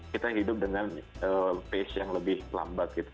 kita hidup dengan pace yang lebih lambat gitu